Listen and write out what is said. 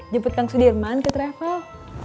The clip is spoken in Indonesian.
jebut kang sudirman ke travel